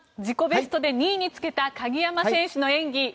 自己ベストで２位につけた鍵山選手の演技